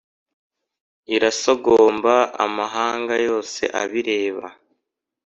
irasogomba amahanga, yose abireba